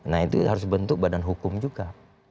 nah itu harus bentuk badan hukum juga